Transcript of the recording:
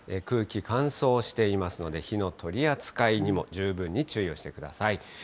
空気乾燥していますので、火の取り扱いにも十分に注意をしてください。